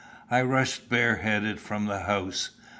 I rushed bare headed from the house.